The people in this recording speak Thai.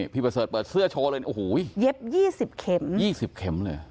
พี่ประเสริฐเปิดเสื้อโชว์เลยโอ้โหเย็บ๒๐เข็ม